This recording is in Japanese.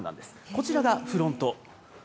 こちらがフロント。